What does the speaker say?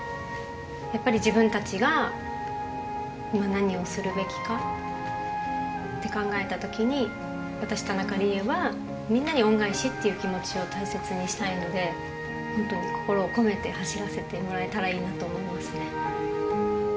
やっぱり、自分たちが今何をするべきかって考えたときに、私、田中理恵は、みんなに恩返しという気持ちを大切にしたいので、本当に心を込めて走らせてもらえたらいいなと思いますね。